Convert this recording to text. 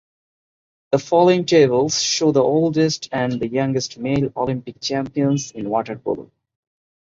The following tables show the oldest and youngest male Olympic champions in water polo.